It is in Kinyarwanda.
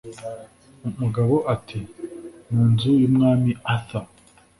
Umugabo ati mu nzu yUmwami Arthur